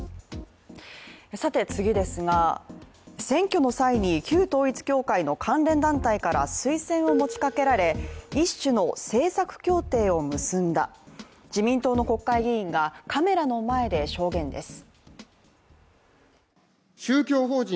選挙の際に、旧統一教会の関連団体から推薦を持ちかけられ、一種の政策協定を結んだ、自民党の国会議員がカメラの前で証言です。